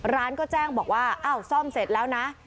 ร้านก็แจ้งบอกว่าอ้าวซ่อมเสร็จแล้วนะ